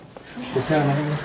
お世話になります。